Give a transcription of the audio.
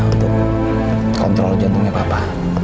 untuk kontrol jantungnya papa